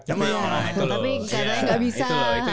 tapi caranya gak bisa